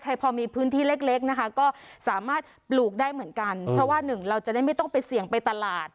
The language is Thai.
พอมีพื้นที่เล็กเล็กนะคะก็สามารถปลูกได้เหมือนกันเพราะว่าหนึ่งเราจะได้ไม่ต้องไปเสี่ยงไปตลาด